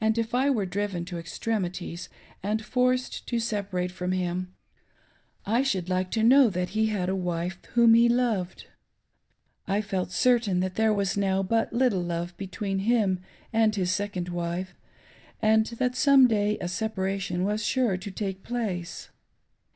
if I were driven to extremities, and forcied to separate from him, I should like to knoW.that he had a wife THEN AND NOW. 547 whom he loved. I felt certain that there was now but little love between him and his second wife, and that some day a separation was sure to take place.